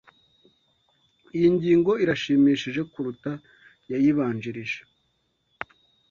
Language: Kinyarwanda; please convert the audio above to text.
Iyi ngingo irashimishije kuruta iyayibanjirije. (GeeZ)